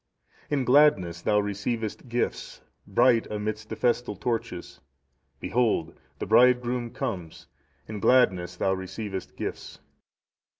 "In gladness thou receivest gifts, bright amidst the festal torches; behold! the Bridegroom comes, in gladness thou receivest gifts.